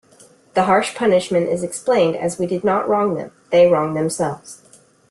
The harsh punishment is explained as We did not wrong them; they wronged themselves.